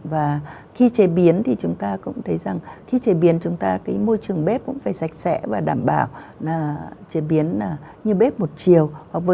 và khi chế biến thì chúng ta cũng thấy rằng khi chế biến chúng ta cái môi trường bếp cũng phải sạch sẽ và đảm bảo chế biến như bếp một chiều